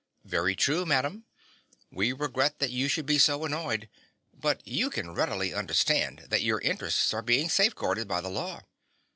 "Very true, madam. We regret that you should be so annoyed. But you can readily understand that your interests are being safeguarded by the law.